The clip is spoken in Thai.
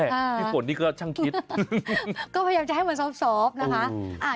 พี่ฝนนี่ก็ช่างคิดก็พยายามจะให้มันซอบนะคะ